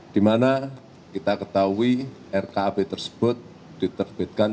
di mana kita ketahui rkap tersebut diterbitkan